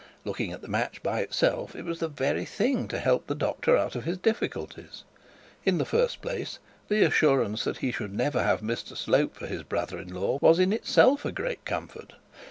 Looking at the match by itself, it was the very thing to help the doctor out of his difficulties. In the first place, the assurance that he should never have Mr Slope for his brother in law was in itself a great comfort.